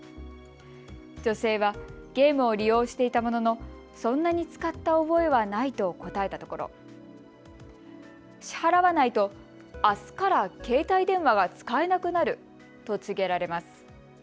女性はゲームを利用していたものの、そんなに使った覚えはないと答えたところ支払わないとあすから携帯電話が使えなくなると告げられます。